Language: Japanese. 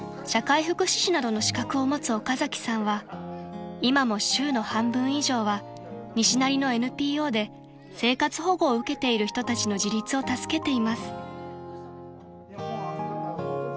社会福祉士などの資格を持つ岡崎さんは今も週の半分以上は西成のＮＰＯで生活保護を受けている人たちの自立を助けています］